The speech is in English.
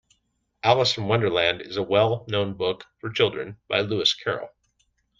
Alice in Wonderland is a well-known book for children by Lewis Carroll